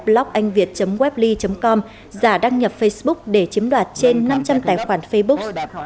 bloganhviet webley com giả đăng nhập facebook để chiếm đoạt trên năm trăm linh tài khoản facebook